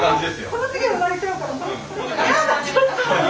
この次は生まれちゃうから。